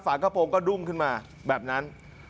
ฝากระโปรงก็ดุ้งขึ้นมาแบบนั้น